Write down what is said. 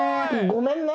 ごめんね？